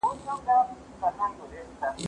هغه څوک چي اوبه پاکوي روغ وي!؟